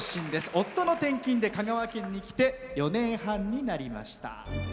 夫の転勤で香川県に来て４年半になりました。